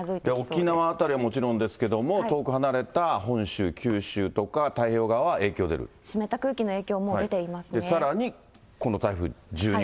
沖縄辺りはもちろんですけども、遠く離れた本州、九州とか、湿った空気の影響、もう出てさらにこの台風１２号。